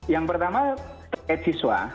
yang pertama kekiswa